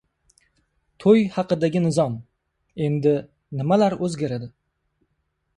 To‘y haqidagi nizom. Endi nimalar o‘zgaradi?